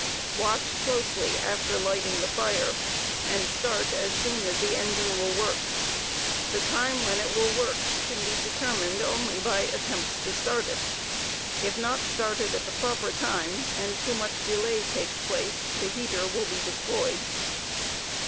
Watch closely after lighting the fire, and start as soon as the engine will work. The time when it will work can be determined only by attempts to start it If not started at the proper time, and too much delay takes place, the heater will be destroyed.